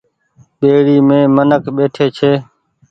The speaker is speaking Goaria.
ٻيڙي مين منک ٻيٺي ڇي۔